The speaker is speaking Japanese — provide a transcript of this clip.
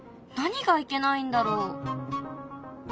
何がいけないんだろう？